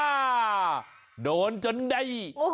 อ่าาาาโดนจนใด